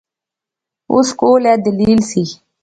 اس کول ایہہ دلیل سی